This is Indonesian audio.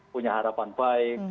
punya harapan baik